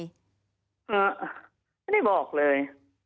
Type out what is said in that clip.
ไม่ได้บอกเลย